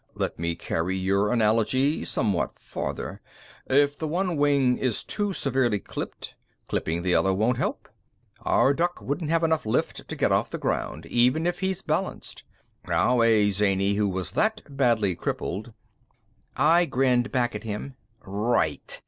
"Let me carry your analogy somewhat farther. If the one wing is too severely clipped, clipping the other won't help. Our duck wouldn't have enough lift to get off the ground, even if he's balanced. "Now, a zany who was that badly crippled ?" I grinned back at him. "Right.